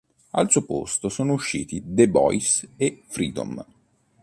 Al suo posto sono usciti "The Boys" e "Freedom".